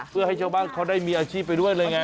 เพื่อให้ชาวบ้านเขาได้มีอาชีพไปด้วยเลยไง